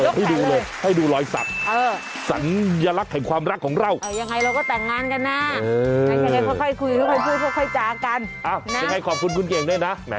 ทีนี้ขอคุณคุณเก่งใด้นะ